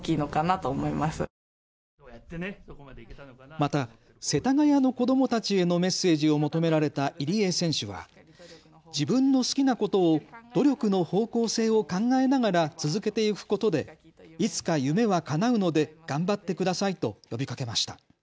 また世田谷の子どもたちへのメッセージを求められた入江選手は自分の好きなことを努力の方向性を考えながら続けていくことでいつか夢はかなうので頑張ってくださいと呼びかけました。